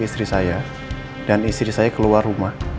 istri saya dan istri saya keluar rumah